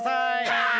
はい！